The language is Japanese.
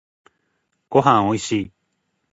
ごはんおいしい。